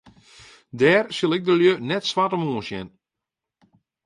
Dêr sil ik de lju net swart om oansjen.